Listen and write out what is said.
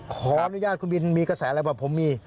ขออนุญาตคุณบินมีกระแสอะไรบอกผมมี